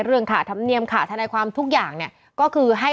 เรื่องขาธรรมเนียมขาธนายความทุกอย่างเนี่ยก็คือให้